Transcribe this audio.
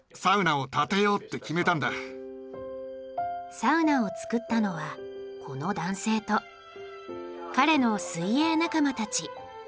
サウナを作ったのはこの男性と彼の水泳仲間たち。